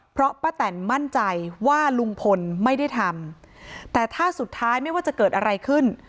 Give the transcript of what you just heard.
เพราะป้าแตนมั่นใจว่าลุงพลไม่ได้ทำแต่ถ้าสุดท้ายไม่ว่าจะเกิดอะไรขึ้น